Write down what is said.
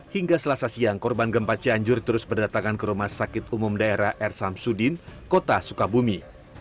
hingga selasa siang korban gempa cianjur terus berdatangan ke rumah sakit umum daerah r samsudin kota sukabumi